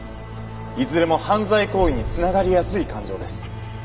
いずれも犯罪行為に繋がりやすい感情です。